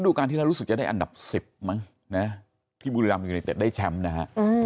การที่แล้วรู้สึกจะได้อันดับ๑๐มั้งนะที่บุรีรัมยูเนเต็ดได้แชมป์นะฮะ